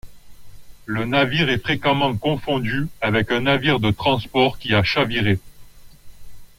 Le navire est fréquemment confondu avec un navire de transport qui a chaviré.